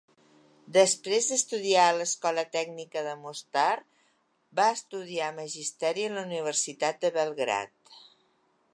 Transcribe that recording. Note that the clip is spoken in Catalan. Després d'estudiar a l'Escola Tècnica de Mostar va estudiar magisteri a la Universitat de Belgrad.